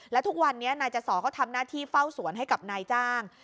และทุกวันนี้นายจสอก็ทำหน้าที่เฝ้าสวนให้กับนายจ้าง